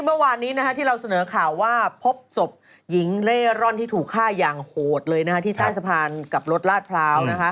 เมื่อวานนี้ที่เราเสนอข่าวว่าพบศพหญิงเล่ร่อนที่ถูกฆ่าอย่างโหดเลยที่ใต้สะพานกับรถลาดพร้าว